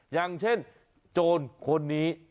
อย่างเช่นโจรคนนี้